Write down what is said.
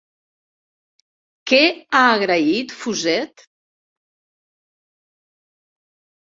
Què ha agraït Fuset?